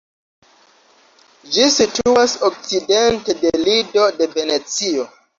Ĝi situas okcidente de Lido de Venecio.